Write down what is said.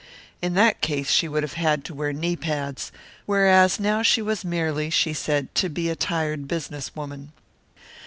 In that case she would have had to wear knee pads, whereas now she was merely, she said, to be a tired business woman.